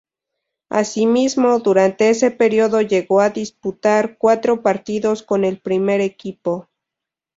Asimismo, durante ese período llegó a disputar cuatro partidos con el primer equipo.